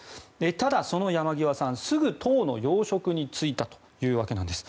ただ、その山際さんすぐ党の要職に就いたというわけなんです。